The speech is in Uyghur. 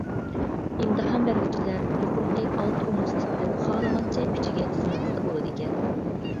ئىمتىھان بەرگۈچىلەر يۇقىرىقى ئالتە ئۇنىۋېرسىتېتتىن خالىغانچە ئۈچىگە تىزىملاتسا بولىدىكەن.